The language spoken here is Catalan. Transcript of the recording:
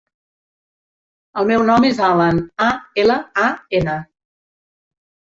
El meu nom és Alan: a, ela, a, ena.